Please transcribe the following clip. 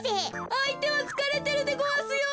あいてはつかれてるでごわすよ。